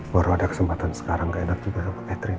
baru ada kesempatan sekarang gak enak juga sama catherine